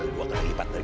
dua kali empat kali